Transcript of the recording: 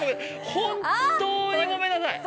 本当にごめんなさい。